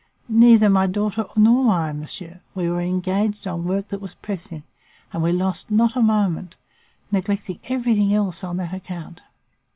Neither my daughter nor I, monsieur. We were engaged on work that was pressing, and we lost not a moment, neglecting everything else on that account.